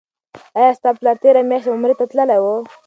آیا ستا پلار تیره میاشت عمرې ته تللی و؟